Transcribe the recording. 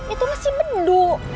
itu masih benuh